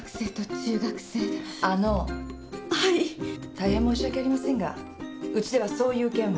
大変申し訳ありませんがウチではそういう件は。